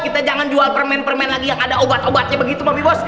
kita jangan jual permen permen lagi yang ada obat obatnya begitu lebih bos